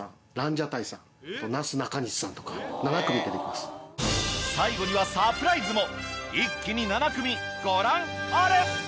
まずは最後にはサプライズも一気に７組ご覧あれ！